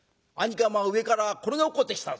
上から転げ落っこってきたぞ。